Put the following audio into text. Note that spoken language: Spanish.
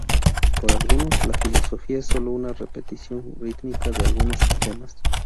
Para algunos, la filosofía es solo una repetición rítmica de algunos sistemas.